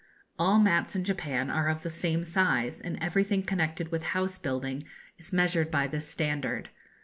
All mats in Japan are of the same size, and everything connected with house building is measured by this standard.